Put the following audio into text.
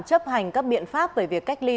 chấp hành các biện pháp về việc cách ly